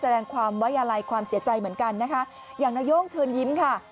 แสดงความไว้อะไรความเสียใจเหมือนกันนะคะอย่างนาย่งเชิญยิ้มค่ะ